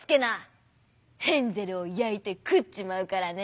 ヘンゼルをやいてくっちまうからね」。